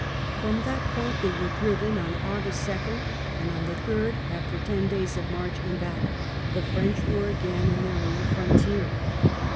From that point they were driven on August 2nd, and on the 3rd, after ten days of march and battle, the French were again in their own frontier.